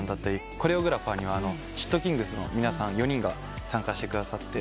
コレオグラファーにはｓ＊＊ｔｋｉｎｇｚの皆さん４人が参加してくださって。